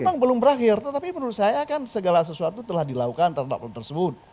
memang belum berakhir tetapi menurut saya kan segala sesuatu telah dilakukan terhadap hal tersebut